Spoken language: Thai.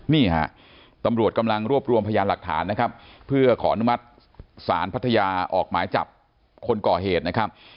นี่ฮะตำรวจกำลังรวบรวมพยานหลักฐานนะครับเพื่อขออนุมัติศาลพัทยาออกหมายจับคนก่อเหตุนะครับ